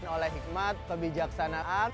oleh hikmat kebijaksanaan